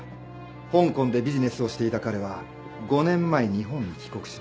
香港でビジネスをしていた彼は５年前日本に帰国しました。